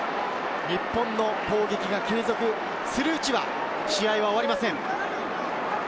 日本の攻撃が継続するうちは試合が終わりません。